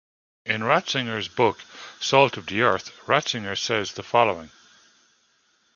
In Ratzinger's book "Salt of the Earth", Ratzinger says the following "...